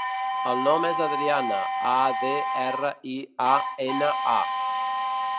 El nom és Adriana: a, de, erra, i, a, ena, a.